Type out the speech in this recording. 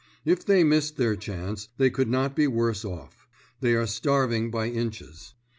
If they missed their chance, they could not be worse off. They are starving by inches.